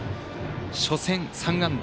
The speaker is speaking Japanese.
初戦３安打。